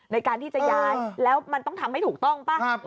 ในการที่จะย้ายแล้วมันต้องทำให้ถูกต้องป่ะ